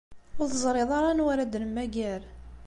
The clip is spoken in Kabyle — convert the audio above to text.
Ur teẓṛiḍ ara anwa ara d-nemmager.